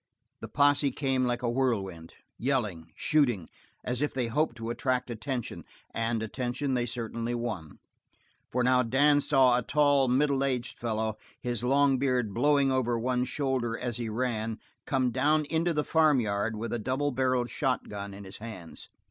The posse came like a whirlwind, yelling, shooting as if they hoped to attract attention, and attention they certainly won, for now Dan saw a tall middle aged fellow, his long beard blowing over one shoulder as he ran, come down into the farm yard with a double barreled shotgun in his hands.